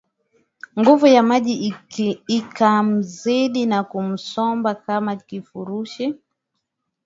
Nguvu ya maji ikamzidi na kumsomba kama kifurushi